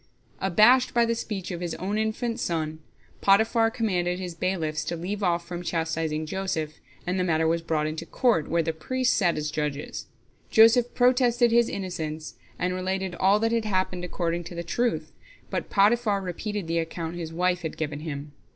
Abashed by the speech of his own infant son, Potiphar commanded his bailiffs to leave off from chastising Joseph, and the matter was brought into court, where priests sat as judges. Joseph protested his innocence, and related all that had happened according to the truth, but Potiphar repeated the account his wife had given him.